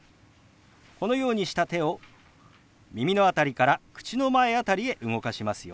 このようにした手を耳の辺りから口の前辺りへ動かしますよ。